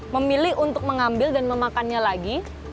memilih untuk mengambil dan memakannya lagi